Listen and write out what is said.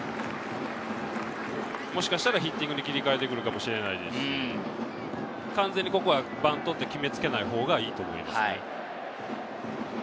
もしかしたら、ヒッティングに切り替えてくるかもしれないですし、完全にここはバントって決め付けないほうがいいと思います。